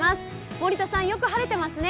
森田さん、よく晴れていますね。